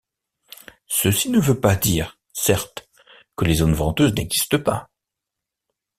Ceci ne veut pas dire, certes, que les zones venteuses n’existent pas.